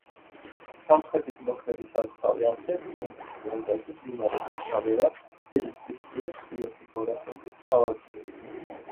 სამხრეთით მოქმედი სარწყავი არხი, რკინიგზის ლიანდაგი, მდინარე მაშავერა, დენის წისქვილი, ხრიოკი გორაკები, სავარგულები.